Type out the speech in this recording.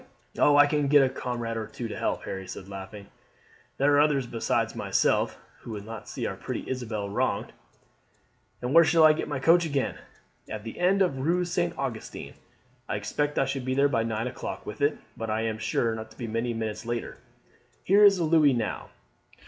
"Oh, I can get a comrade or two to help," Harry said laughing. "There are others besides myself who will not see our pretty Isabel wronged." "And where shall I get my coach again?" "At the end of the Rue St. Augustin. I expect I shall be there by nine o'clock with it; but I am sure not to be many minutes later. Here is a louis now.